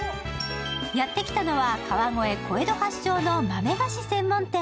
やって来たのは川越小江戸発祥の豆菓子専門店。